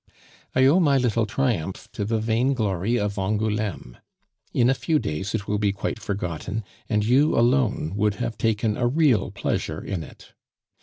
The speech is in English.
I owe my little triumph to the vainglory of Angouleme; in a few days it will be quite forgotten, and you alone would have taken a real pleasure in it.